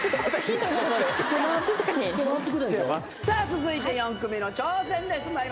さあ続いて４組目の挑戦です。